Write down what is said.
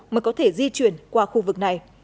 mà có thể di chuyển qua khu vực này